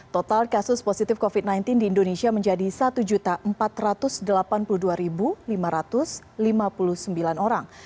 total kasus positif covid sembilan belas di indonesia menjadi satu empat ratus delapan puluh dua lima ratus lima puluh sembilan orang